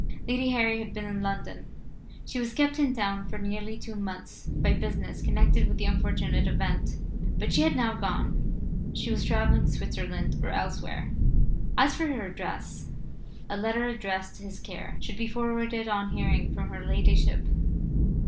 Lady Harry had been in London; she was kept in town for nearly two months by business connected with the unfortunate event; but she had now gone she was travelling Switzerland or elsewhere. As for her address, a letter addressed to his care should be forwarded on hearing from her ladyship.